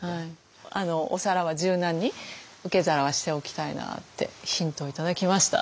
お皿は柔軟に受け皿はしておきたいなってヒントを頂きました。